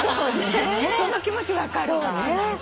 その気持ち分かるわ。